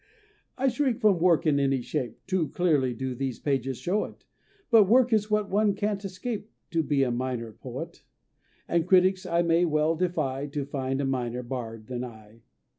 I shrink from work in any shape, Too clearly do these pages show it, But work is what one can't escape And be a Minor Poet; And critics I may well defy To find a minor bard than I.